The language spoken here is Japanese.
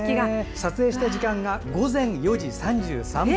撮影した時間が午前４時３３分。